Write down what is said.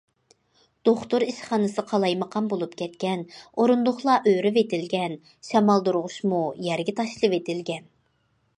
دوختۇر ئىشخانىسى قالايمىقان بولۇپ كەتكەن، ئورۇندۇقلار ئۆرۈۋېتىلگەن، شامالدۇرغۇچمۇ يەرگە تاشلىۋېتىلگەن.